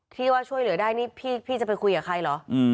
ที่ว่าช่วยเหลือได้นี่พี่จะไปคุยกับใครเหรอ